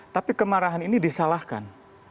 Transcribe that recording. tapi kemarahan ini disalahkan